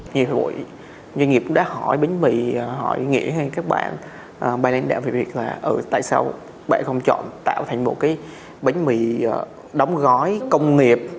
nguyên nghiệp đã hỏi bánh mì hỏi nghĩa hay các bạn bài lãnh đạo về việc là tại sao bạn không chọn tạo thành một cái bánh mì đóng gói công nghiệp